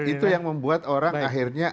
itu yang membuat orang akhirnya